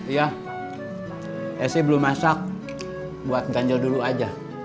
iya saya belum masak buat ganjel dulu aja